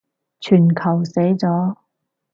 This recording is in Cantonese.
全球死咗